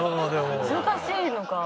難しいのか。